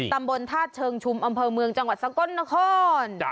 ตำบลธาตุเชิงชุมอำเภอเมืองจังหวัดสกลนคร